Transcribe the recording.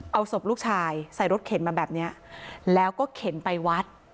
เอาศพลูกชายใส่รถเข็นมาแบบนี้แล้วก็เข็นไปวัด